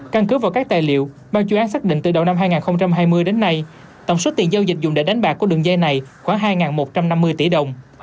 căn cứ vào các tài liệu ban chuyên án xác định từ đầu năm hai nghìn hai mươi đến nay tổng số tiền giao dịch dùng để đánh bạc của đường dây này khoảng hai một trăm năm mươi tỷ đồng